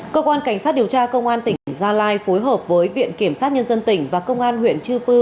cơ quan cảnh sát điều tra công an tỉnh gia lai phối hợp với viện kiểm sát nhân dân tỉnh và công an huyện chư pư